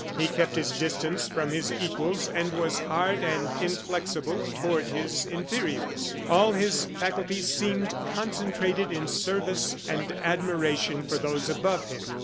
He kept his distance from his equals, and was hard and inflexible toward his inferiors. All his faculties seemed concentrated in service and admiration for those above him.